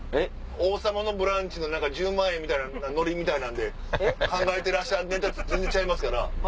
『王様のブランチ』の１０万円のノリみたいなんで考えてらっしゃるんやったら全然ちゃいますから。